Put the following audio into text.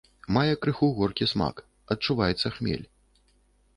Мае крыху горкі смак, адчуваецца хмель.